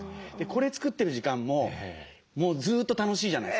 これ作ってる時間ももうずっと楽しいじゃないですか。